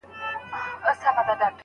صالحه ميرمن د اسلامي شريعت پيروي کوي.